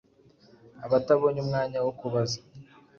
Abatabonye umwanya wo kubaza